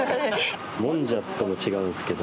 もんじゃとも違うんすけど。